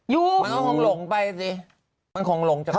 อยู่มันคงหลงไปสิ